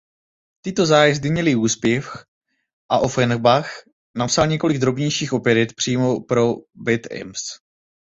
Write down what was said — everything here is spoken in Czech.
Tyto zájezdy měly úspěch a Offenbach napsal několik drobnějších operet přímo pro Bad Ems.